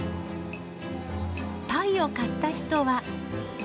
パイを買った人は。